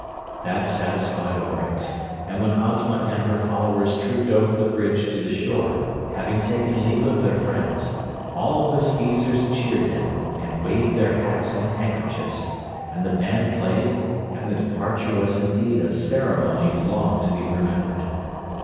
That satisfied Aurex and when Ozma and her followers trooped over the bridge to the shore, having taken leave of their friends, all the Skeezers cheered them and waved their hats and handkerchiefs, and the band played and the departure was indeed a ceremony long to be remembered.